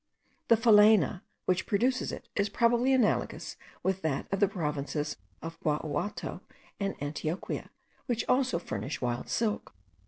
The phalaena which produces it is probably analogous with that of the provinces of Gua[?]uato and Antioquia, which also furnish wild silk.